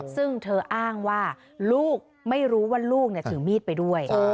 ซึ่งเธออ้างว่าลูกไม่รู้ว่าลูกถือมีดไปด้วย